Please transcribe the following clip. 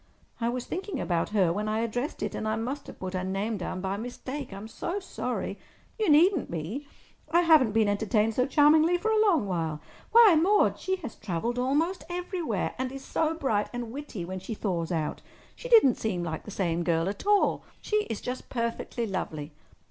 "I was thinking about her when I addressed it, and I must have put her name down by mistake. I'm so sorry—" "You needn't be. I haven't been entertained so charmingly for a long while. Why, Maude, she has travelled almost everywhere—and is so bright and witty when she thaws out. She didn't seem like the same girl at all. She is just perfectly lovely!"